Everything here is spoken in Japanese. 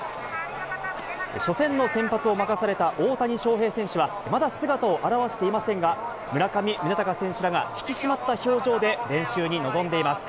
初戦の先発を任された、大谷翔平選手はまだ姿を現していませんが、村上宗隆選手らが引き締まった表情で練習に臨んでいます。